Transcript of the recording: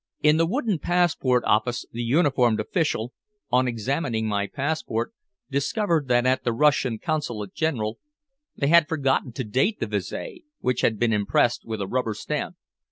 In the wooden passport office the uniformed official, on examining my passport, discovered that at the Russian Consulate General they had forgotten to date the visé which had been impressed with a rubber stamp.